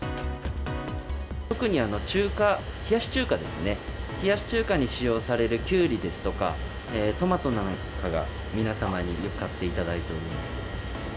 特に中華、冷やし中華ですね、冷やし中華に使用されるキュウリですとか、トマトなんかが皆様によく買っていただいております。